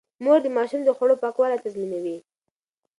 مور د ماشوم د خوړو پاکوالی تضمينوي.